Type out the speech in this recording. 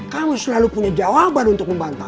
kamu selalu punya jawaban untuk membantah